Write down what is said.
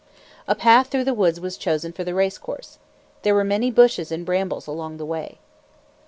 A path through the woods was chosen for the race course. There were many bushes and brambles along the way.